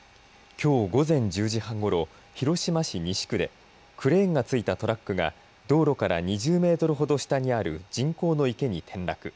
きょう午前１０時半ごろ、広島市西区でクレーンが付いたトラックが道路から２０メートルほど下にある人工の池に転落。